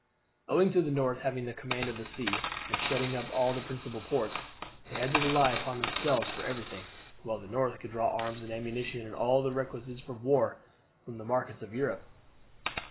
Owing to the North having the command of the sea, and shutting up all the principal ports, they had to rely upon themselves for everything, while the North could draw arms and ammunition and all the requisites of war from the markets of Europe.